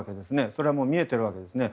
それはもう見えてるわけですね。